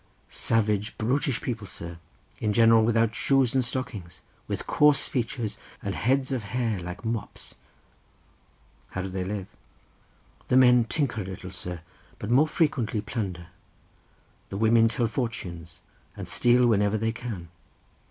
"Savage, brutish people, sir; in general without shoes and stockings, with coarse features and heads of hair like mops." "How do they live?" "The men tinker a little, sir, but more frequently plunder. The women tell fortunes, and steal whenever they can."